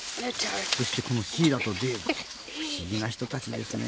そして、シーラとデール不思議な人たちですね。